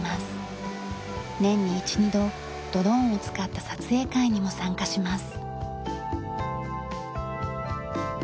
年に１２度ドローンを使った撮影会にも参加します。